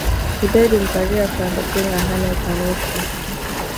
He died in Paris after undergoing a hernia operation.